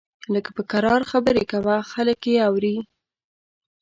لږ په کرار خبرې کوه، خلک يې اوري!